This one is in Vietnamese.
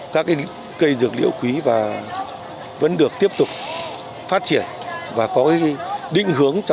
các cây dược liệu quý vẫn được tiếp tục phát triển